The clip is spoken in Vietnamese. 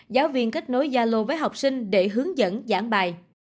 giáo viên kết nối gia lô với học sinh để hướng dẫn giảng bài